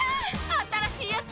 新しいやつ！